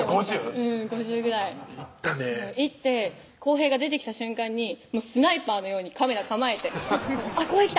うん５０ぐらい行ったねぇ行って晃平が出てきた瞬間にスナイパーのようにカメラ構えて「あっ晃平来た」